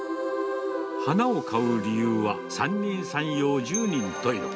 花を買う理由は三人三様、十人十色。